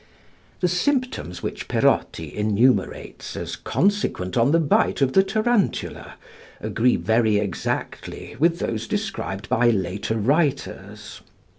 The symptoms which Perotti enumerates as consequent on the bite of the tarantula agree very exactly with those described by later writers.